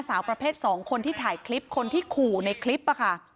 สาวประเภท๒คนที่ถ่ายคลิปคนที่ขู่ในคลิปค่ะ